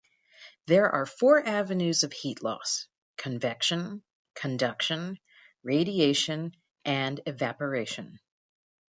There are four avenues of heat loss: convection, conduction, radiation, and evaporation.